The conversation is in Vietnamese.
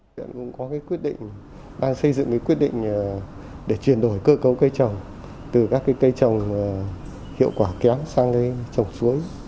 chúng ta đang xây dựng quyết định để chuyển đổi cơ cấu cây trồng từ các cây trồng hiệu quả kéo sang trồng suối